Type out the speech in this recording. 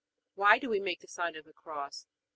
Why do we make the sign of the Cross? A.